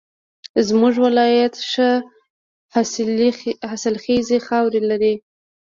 زمونږ ولایت ښه حاصلخیزه خاوره لري